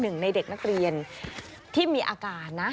หนึ่งในเด็กนักเรียนที่มีอาการนะ